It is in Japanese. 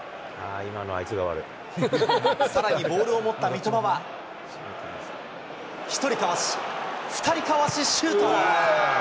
さらにボールを持った三笘は、１人かわし、２人かわし、シュート。